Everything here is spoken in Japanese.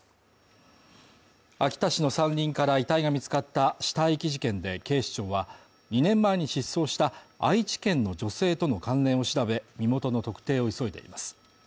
秋田市の山林から遺体が見つかった死体遺棄事件で警視庁は、２年前に失踪した愛知県の女性との関連を調べ、身元の特定を急いでいます。